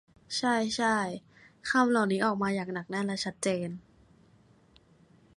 ใช่ ใช่ คำเหล่านี้ออกมาอย่างหนักแน่นและชัดเจน